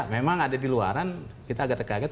memang ada di luaran kita agak terkaget